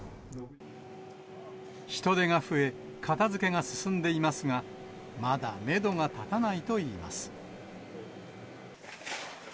人手が増え、片づけが進んでいますが、まだメドが立たないといいます。